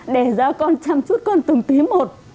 để ra con chăm chút con từng tí một